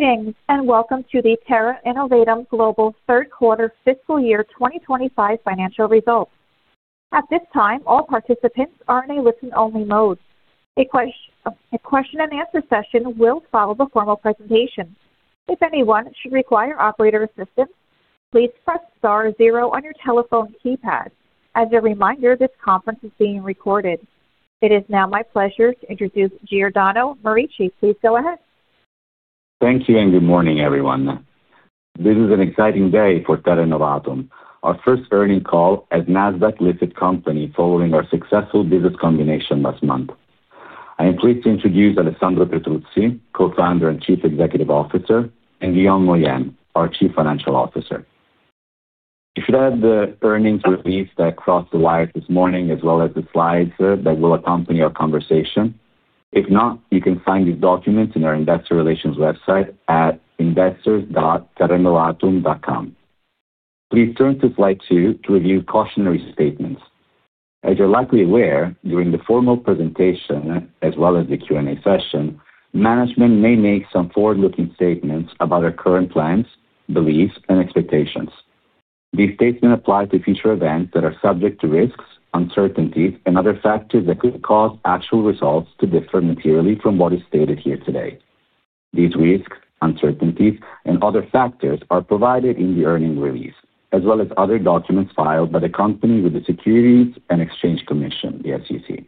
Greetings and welcome to the Terra Innovatum Global N.V. third quarter fiscal year 2025 financial results. At this time, all participants are in a listen-only mode. A question-and-answer session will follow the formal presentation. If anyone should require operator assistance, please press star zero on your telephone keypad. As a reminder, this conference is being recorded. It is now my pleasure to introduce Giordano Morichi. Please go ahead. Thank you and good morning, everyone. This is an exciting day for Terra Innovatum, our first earnings call as a NASDAQ-listed company following our successful business combination last month. I am pleased to introduce Alessandro Petruzzi, Co-founder and Chief Executive Officer, and Leon Moyen, our Chief Financial Officer. If you had the earnings released across the wires this morning, as well as the slides that will accompany our conversation. If not, you can find these documents in our investor relations website at investors.terrainnovatum.com. Please turn to slide two to review cautionary statements. As you're likely aware, during the formal presentation, as well as the Q&A session, management may make some forward-looking statements about our current plans, beliefs, and expectations. These statements apply to future events that are subject to risks, uncertainties, and other factors that could cause actual results to differ materially from what is stated here today. These risks, uncertainties, and other factors are provided in the earnings release, as well as other documents filed by the company with the Securities and Exchange Commission, the SEC.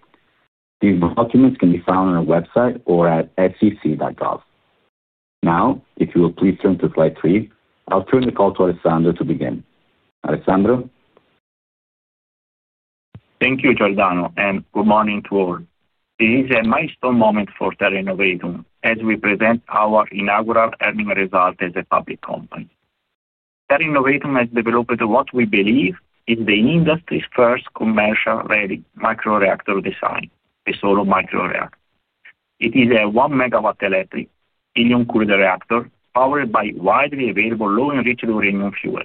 These documents can be found on our website or at sec.gov. Now, if you will please turn to slide three, I'll turn the call to Alessandro to begin. Alessandro. Thank you, Giordano, and good morning to all. This is a milestone moment for Terra Innovatum as we present our inaugural earnings result as a public company. Terra Innovatum has developed what we believe is the industry's first commercial-ready micro-reactor design, a Solo micro-reactor. It is a one-megawatt electric helium-cooled reactor powered by widely available low-enriched uranium fuel.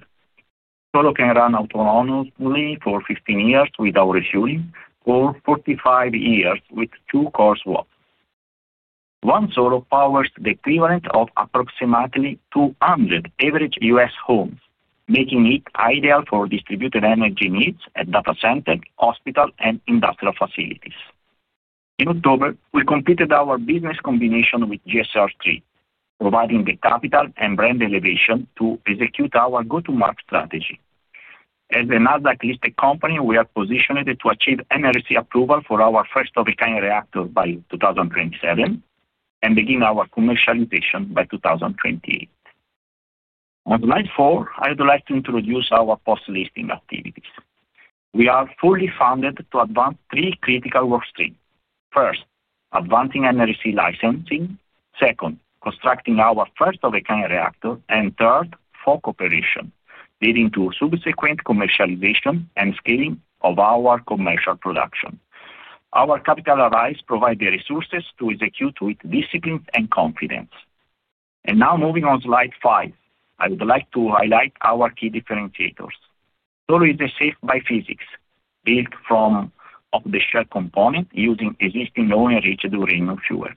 Solo can run autonomously for 15 years without refueling or 45 years with two core swaps. One Solo powers the equivalent of approximately 200 average U.S. homes, making it ideal for distributed energy needs at data centers, hospitals, and industrial facilities. In October, we completed our business combination with G-SR III, providing the capital and brand elevation to execute our go-to-market strategy. As a NASDAQ-listed company, we are positioned to achieve NRC approval for our first-of-a-kind reactor by 2027 and begin our commercialization by 2028. On slide four, I would like to introduce our post-listing activities. We are fully funded to advance three critical work streams. First, advancing NRC licensing. Second, constructing our first-of-a-kind reactor. Third, for cooperation, leading to subsequent commercialization and scaling of our commercial production. Our capital arise provides the resources to execute with discipline and confidence. Now, moving on slide five, I would like to highlight our key differentiators. Solo is safe by physics, built from a shared component using existing low-enriched uranium fuel.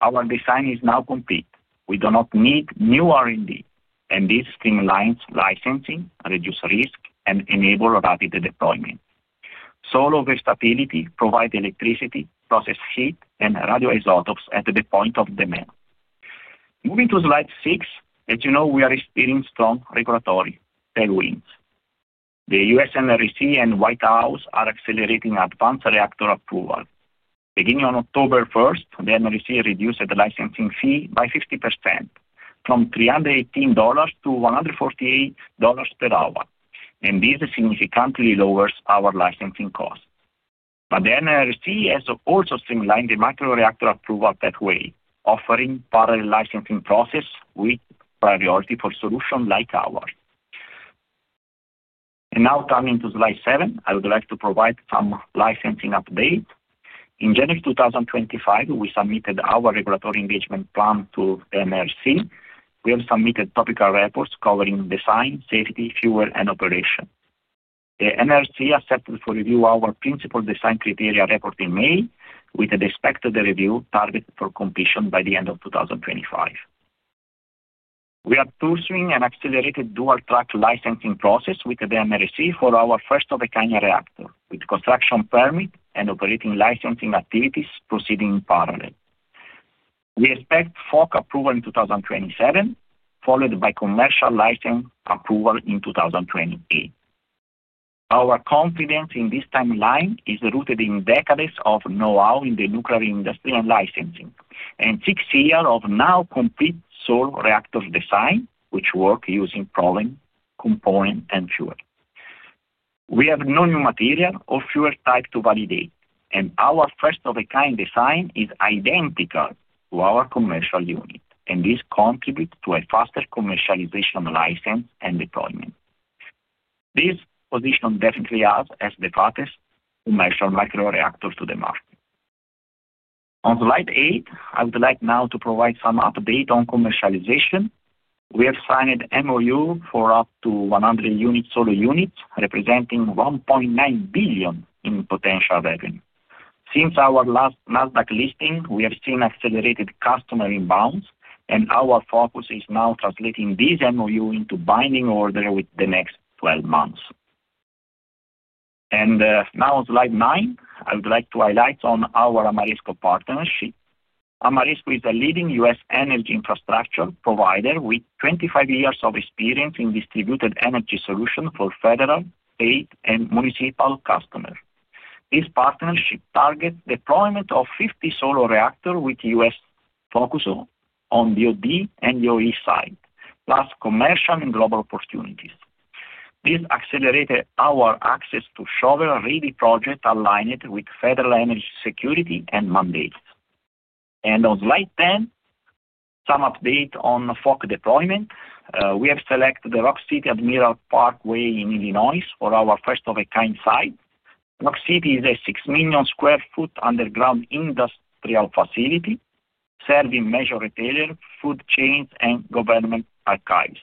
Our design is now complete. We do not need new R&D, and this streamlines licensing, reduces risk, and enables rapid deployment. Solo versatility provides electricity, process heat, and radioisotopes at the point of demand. Moving to slide six, as you know, we are experiencing strong regulatory tailwinds. The U.S. NRC and White House are accelerating advanced reactor approval. Beginning on October 1, the NRC reduced the licensing fee by 50% from $318 to $148 per hour, and this significantly lowers our licensing costs. The NRC has also streamlined the micro-reactor approval that way, offering parallel licensing processes with priority for solutions like ours. Now, coming to slide seven, I would like to provide some licensing updates. In January 2025, we submitted our regulatory engagement plan to the NRC. We have submitted topical reports covering design, safety, fuel, and operation. The NRC accepted for review our principal design criteria report in May, with the expected review targeted for completion by the end of 2025. We are pursuing an accelerated dual-track licensing process with the NRC for our first-of-a-kind reactor, with construction permit and operating licensing activities proceeding in parallel. We expect FOAK approval in 2027, followed by commercial license approval in 2028. Our confidence in this timeline is rooted in decades of know-how in the nuclear industry and licensing, and six years of now-complete Solo reactor design, which works using propylene, components, and fuel. We have no new material or fuel type to validate, and our first-of-a-kind design is identical to our commercial unit, and this contributes to a faster commercialization license and deployment. This position definitely helps us as the fastest commercial micro-reactor to the market. On slide eight, I would like now to provide some update on commercialization. We have signed an MoU for up to 100 units, Solo units, representing $1.9 billion in potential revenue. Since our last NASDAQ listing, we have seen accelerated customer inbounds, and our focus is now translating this MoU into binding order within the next 12 months. On slide nine, I would like to highlight our Amarisco partnership. Amarisco is a leading U.S. energy infrastructure provider with 25 years of experience in distributed energy solutions for federal, state, and municipal customers. This partnership targets the deployment of 50 Solo reactors with U.S. focus on the OD and the OE side, plus commercial and global opportunities. This accelerated our access to shovel ready projects aligned with federal energy security and mandates. On slide ten, some updates on FOAK deployment. We have selected the Rock City Admiral Parkway in Illinois for our first-of-a-kind site. Rock City is a 6 million sq ft underground industrial facility serving major retailers, food chains, and government archives.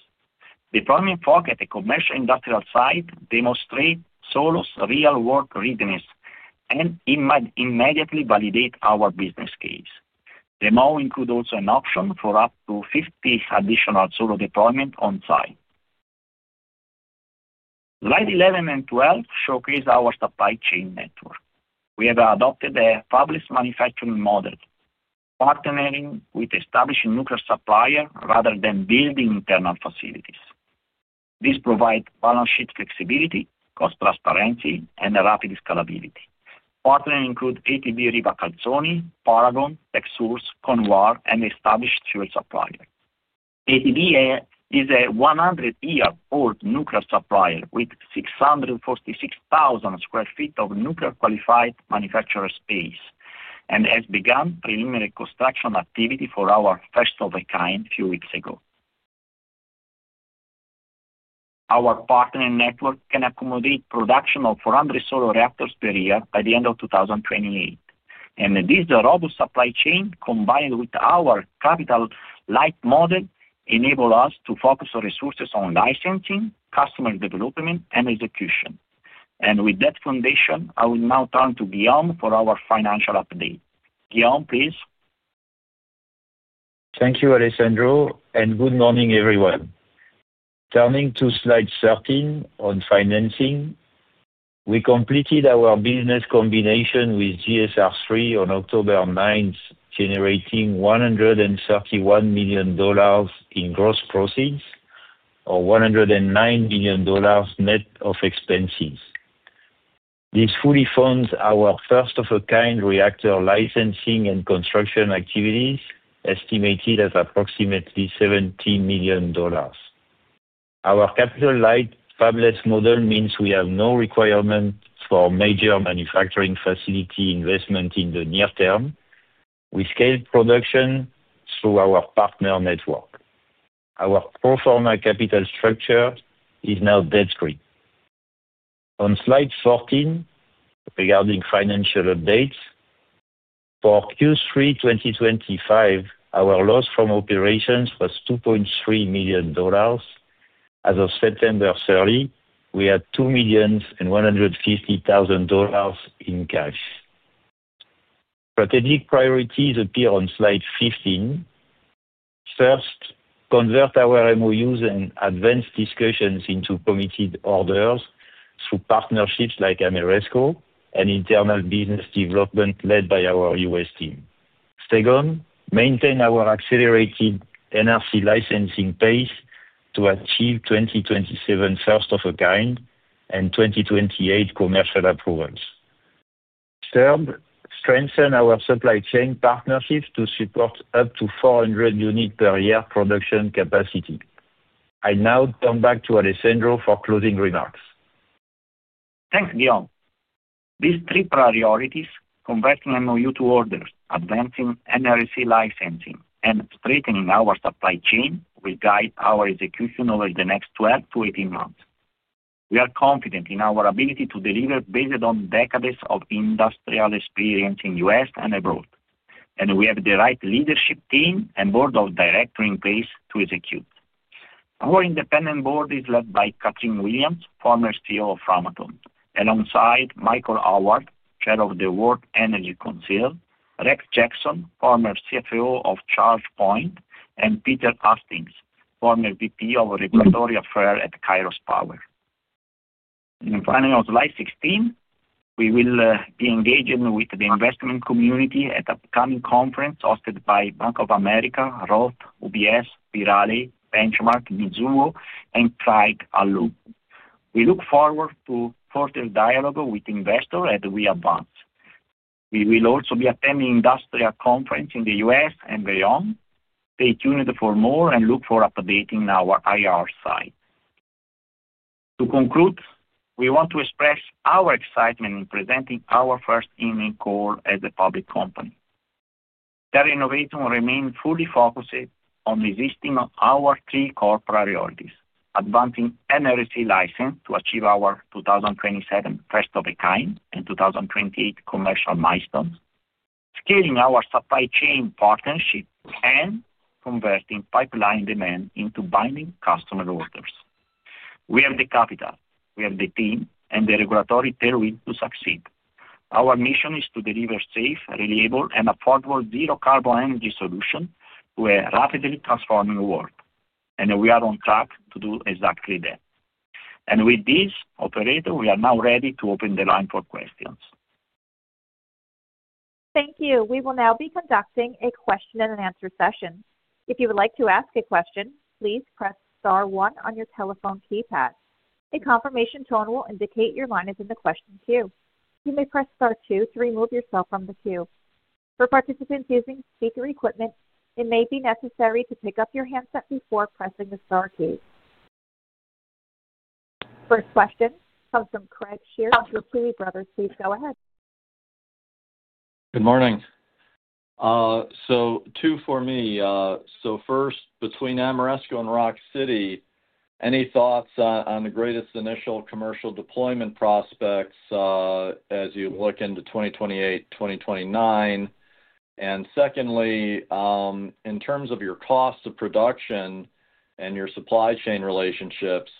Deploying FOAK at a commercial industrial site demonstrates Solo's real world readiness and immediately validates our business case. The MoU includes also an option for up to 50 additional Solo deployments on site. Slide 11 and 12 showcase our supply chain network. We have adopted a fabless manufacturing model, partnering with established nuclear suppliers rather than building internal facilities. This provides balance sheet flexibility, cost transparency, and rapid scalability. Partners include ATB Riva Calzoni, Paragon, TechSource, Conuar, and established fuel suppliers. ATB Riva Calzoni is a 100-year-old nuclear supplier with 646,000 sq ft of nuclear-qualified manufacturer space and has begun preliminary construction activity for our first-of-a-kind a few weeks ago. Our partner network can accommodate the production of 400 Solo reactors per year by the end of 2028. This robust supply chain, combined with our capital-light model, enables us to focus our resources on licensing, customer development, and execution. With that foundation, I will now turn to Guillaume for our financial update. Guillaume, please. Thank you, Alessandro, and good morning, everyone. Turning to slide 13 on financing, we completed our business combination with G-SR III on October 9, generating $131 million in gross proceeds or $109 million net of expenses. This fully funds our first-of-a-kind reactor licensing and construction activities, estimated at approximately $17 million. Our capital-light fabless model means we have no requirement for major manufacturing facility investment in the near term. We scaled production through our partner network. Our pro forma capital structure is now debt screen. On slide 14, regarding financial updates, for Q3 2025, our loss from operations was $2.3 million. As of September 30, we had $2,150,000 in cash. Strategic priorities appear on slide 15. First, convert our MoUs and advanced discussions into committed orders through partnerships like Amarisco and internal business development led by our U.S. team. Second, maintain our accelerated NRC licensing pace to achieve 2027 first-of-a-kind and 2028 commercial approvals. Third, strengthen our supply chain partnerships to support up to 400 units per year production capacity. I now turn back to Alessandro for closing remarks. Thanks, Guillaume. These three priorities—converting MoU to orders, advancing NRC licensing, and strengthening our supply chain—will guide our execution over the next 12 to 18 months. We are confident in our ability to deliver based on decades of industrial experience in the U.S. and abroad, and we have the right leadership team and board of directors in place to execute. Our independent board is led by Catherine Williams, former CEO of Ramathon, alongside Michael Howard, Chair of the World Energy Council, Rex Jackson, former CFO of ChargePoint, and Peter Hastings, former VP of Regulatory Affairs at Kairos Power. On slide 16, we will be engaging with the investment community at the upcoming conference hosted by Bank of America, ROTH, UBS, Benchmark, Mizuho, and Craig-Hallum. We look forward to further dialogue with investors as we advance. We will also be attending an industrial conference in the U.S. and beyond. Stay tuned for more and look for updates in our IR site. To conclude, we want to express our excitement in presenting our first in-ring call as a public company. Terra Innovatum remains fully focused on executing our three core priorities: advancing NRC license to achieve our 2027 first-of-a-kind and 2028 commercial milestones, scaling our supply chain partnership, and converting pipeline demand into binding customer orders. We have the capital, we have the team, and the regulatory tailwinds to succeed. Our mission is to deliver safe, reliable, and affordable zero-carbon energy solutions to a rapidly transforming world, and we are on track to do exactly that. With this, operator, we are now ready to open the line for questions. Thank you. We will now be conducting a question-and-answer session. If you would like to ask a question, please press star one on your telephone keypad. A confirmation tone will indicate your line is in the question queue. You may press star two to remove yourself from the queue. For participants using speaker equipment, it may be necessary to pick up your handset before pressing the star key. First question comes from Craig Shere. Tuohy Brothers, please go ahead. Good morning. Two for me. First, between Amarisco and Rock City, any thoughts on the greatest initial commercial deployment prospects as you look into 2028, 2029? Secondly, in terms of your cost of production and your supply chain relationships,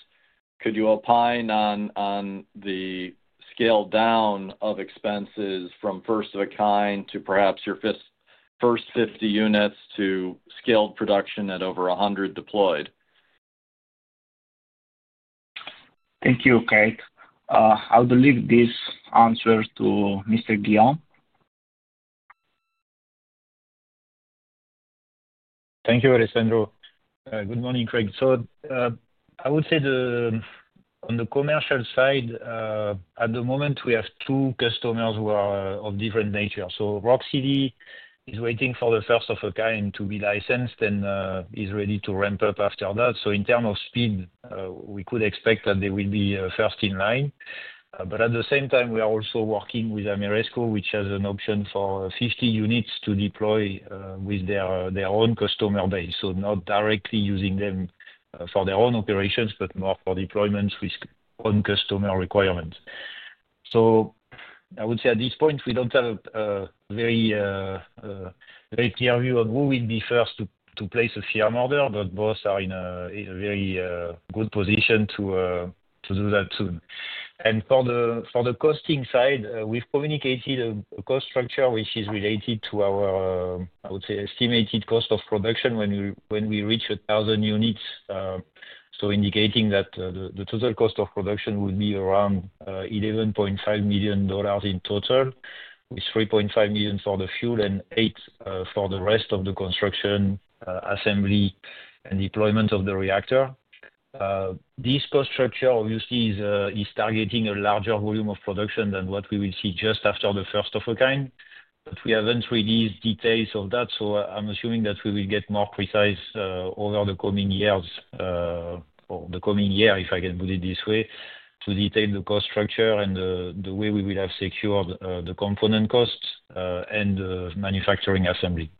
could you opine on the scale down of expenses from first of a kind to perhaps your first 50 units to scaled production at over 100 deployed? Thank you, Craig. I'll leave this answer to Mr. Guillaume. Thank you, Alessandro. Good morning, Craig. I would say on the commercial side, at the moment, we have two customers of different nature. Rock City is waiting for the first-of-a-kind to be licensed and is ready to ramp up after that. In terms of speed, we could expect that they will be first in line. At the same time, we are also working with Amarisco, which has an option for 50 units to deploy with their own customer base, not directly using them for their own operations, but more for deployments with own customer requirements. I would say at this point, we do not have a very clear view on who will be first to place a firm order, but both are in a very good position to do that soon. For the costing side, we've communicated a cost structure which is related to our, I would say, estimated cost of production when we reach 1,000 units, indicating that the total cost of production would be around $11.5 million in total, with $3.5 million for the fuel and $8 million for the rest of the construction, assembly, and deployment of the reactor. This cost structure obviously is targeting a larger volume of production than what we will see just after the first of a kind. We haven't released details of that, so I'm assuming that we will get more precise over the coming years or the coming year, if I can put it this way, to detail the cost structure and the way we will have secured the component costs and the manufacturing assembly.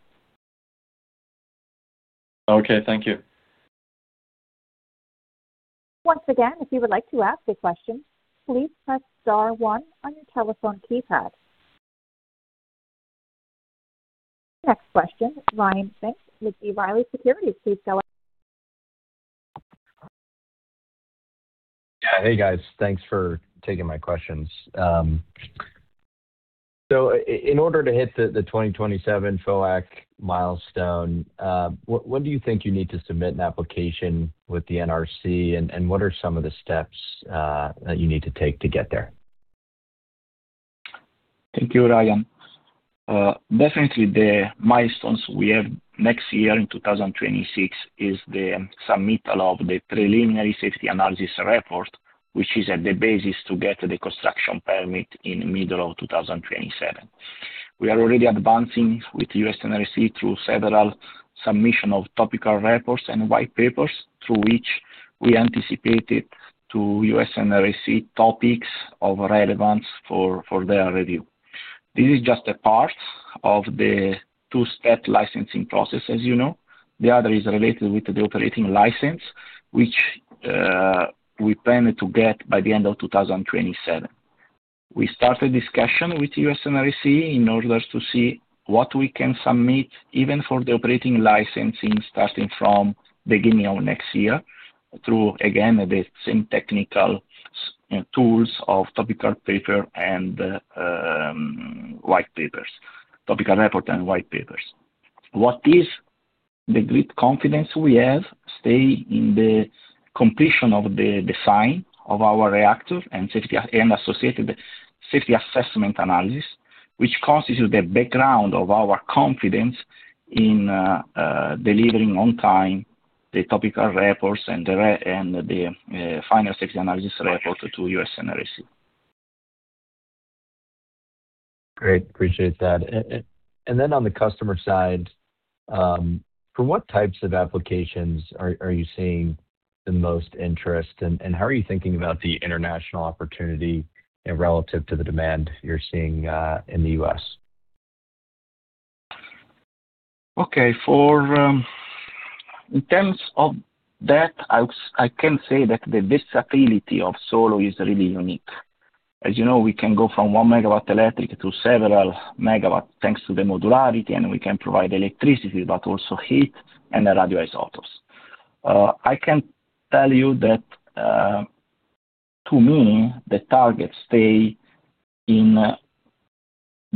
Okay. Thank you. Once again, if you would like to ask a question, please press star one on your telephone keypad. Next question, Ryan Finch with B. Riley Securities. Please go ahead. Yeah. Hey, guys. Thanks for taking my questions. In order to hit the 2027 FOAK milestone, when do you think you need to submit an application with the NRC, and what are some of the steps that you need to take to get there? Thank you, Ryan. Definitely, the milestones we have next year and in 2026 is the submittal of the Preliminary Safety Analysis Report, which is the basis to get the Construction Permit in the middle of 2027. We are already advancing with U.S. NRC through federal submission of topical reports and white papers through which we anticipated to U.S. NRC topics of relevance for their review. This is just a part of the two-step licensing process, as you know. The other is related with the Operating License, which we plan to get by the end of 2027. We started discussion with U.S. NRC in order to see what we can submit even for the operating licensing starting from the beginning of next year through, again, the same technical tools of topical report and white papers. What is the great confidence we have stay in the completion of the design of our reactor and associated safety assessment analysis, which constitutes the background of our confidence in delivering on time the topical reports and the final safety analysis report to U.S. NRC. Great. Appreciate that. Then on the customer side, for what types of applications are you seeing the most interest, and how are you thinking about the international opportunity relative to the demand you're seeing in the U.S.? Okay. In terms of that, I can say that the versatility of Solo is really unique. As you know, we can go from one megawatt electric to several megawatts thanks to the modularity, and we can provide electricity, but also heat and radioisotopes. I can tell you that to me, the targets stay in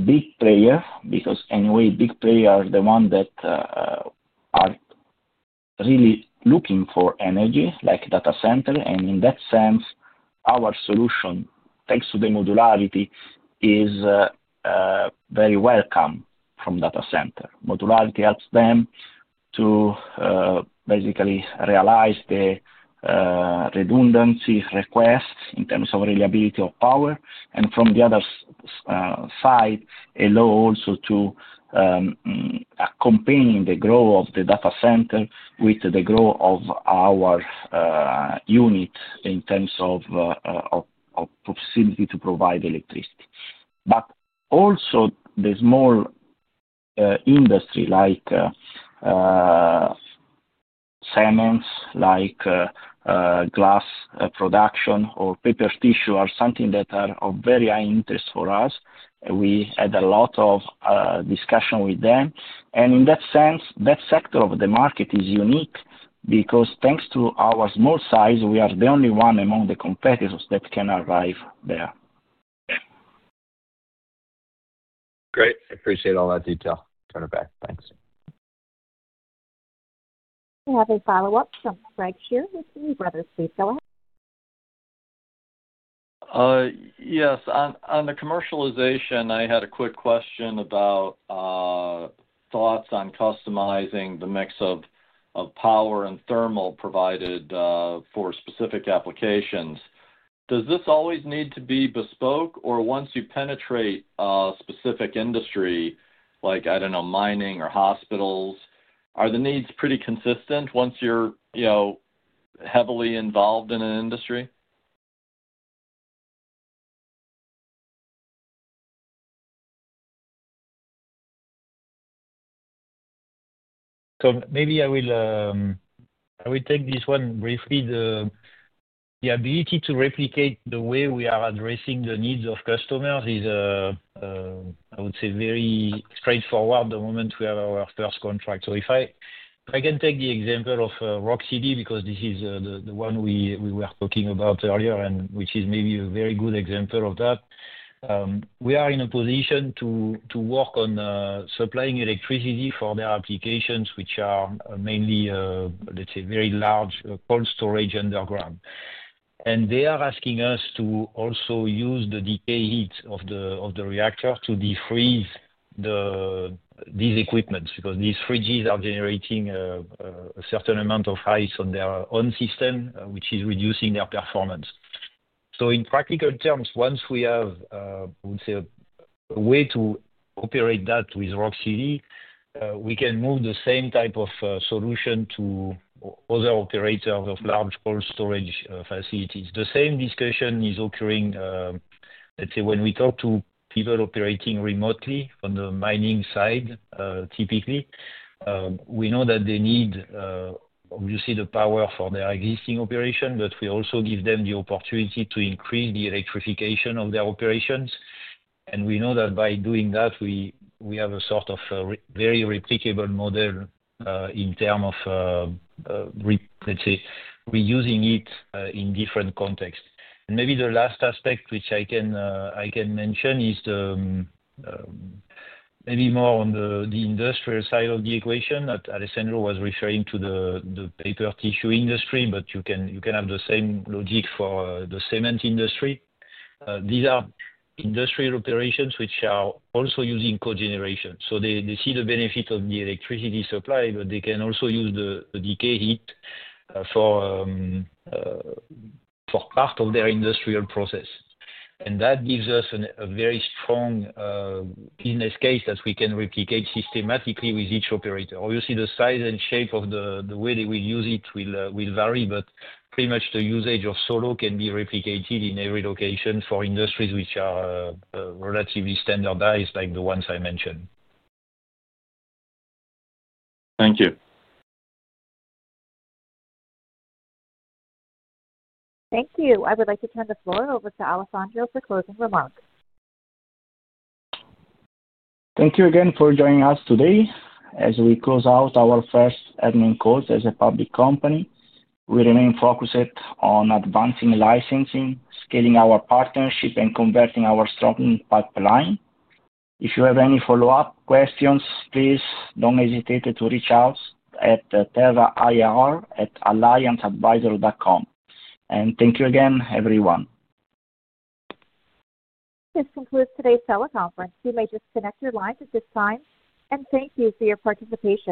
big players because, anyway, big players are the ones that are really looking for energy like data center. In that sense, our solution thanks to the modularity is very welcome from data center. Modularity helps them to basically realize the redundancy requests in terms of reliability of power. From the other side, it allows also to accompany the growth of the data center with the growth of our units in terms of proximity to provide electricity. Also, the small industry like cements, like glass production or paper tissue are something that are of very high interest for us. We had a lot of discussion with them. In that sense, that sector of the market is unique because thanks to our small size, we are the only one among the competitors that can arrive there. Great. Appreciate all that detail. Turn it back. Thanks. We have a follow-up from Craig here. Please go ahead. Yes. On the commercialization, I had a quick question about thoughts on customizing the mix of power and thermal provided for specific applications. Does this always need to be bespoke, or once you penetrate a specific industry like, I don't know, mining or hospitals, are the needs pretty consistent once you're heavily involved in an industry? Maybe I will take this one briefly. The ability to replicate the way we are addressing the needs of customers is, I would say, very straightforward the moment we have our first contract. If I can take the example of Rock City, because this is the one we were talking about earlier, and which is maybe a very good example of that, we are in a position to work on supplying electricity for their applications, which are mainly, let's say, very large cold storage underground. They are asking us to also use the decay heat of the reactor to defreeze these equipments because these fridges are generating a certain amount of ice on their own system, which is reducing their performance. In practical terms, once we have, I would say, a way to operate that with Rock City, we can move the same type of solution to other operators of large cold storage facilities. The same discussion is occurring, let's say, when we talk to people operating remotely on the mining side, typically. We know that they need, obviously, the power for their existing operation, but we also give them the opportunity to increase the electrification of their operations. We know that by doing that, we have a sort of very replicable model in terms of, let's say, reusing it in different contexts. Maybe the last aspect which I can mention is maybe more on the industrial side of the equation. Alessandro was referring to the paper tissue industry, but you can have the same logic for the cement industry. These are industrial operations which are also using cogeneration. They see the benefit of the electricity supply, but they can also use the decay heat for part of their industrial process. That gives us a very strong business case that we can replicate systematically with each operator. Obviously, the size and shape of the way they will use it will vary, but pretty much the usage of Solo can be replicated in every location for industries which are relatively standardized like the ones I mentioned. Thank you. Thank you. I would like to turn the floor over to Alessandro for closing remarks. Thank you again for joining us today. As we close out our first admin calls as a public company, we remain focused on advancing licensing, scaling our partnership, and converting our strong pipeline. If you have any follow-up questions, please do not hesitate to reach out at terra.ir@allianceadvisor.com. Thank you again, everyone. This concludes today's teleconference. You may disconnect your lines at this time. Thank you for your participation.